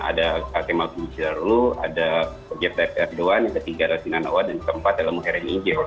ada akemal bin jarlul ada jepter erdogan yang ketiga adalah sinan oan dan yang keempat adalah muhyiddin injil